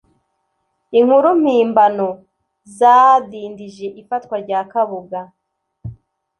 inkuru mpimbano zadindije ifatwa rya Kabuga